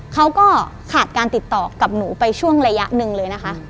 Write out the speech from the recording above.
เขาก็ขาดการติดต่อกับหนูไปช่วงระยะหนึ่งเลยนะคะ